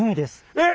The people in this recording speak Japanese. えっ？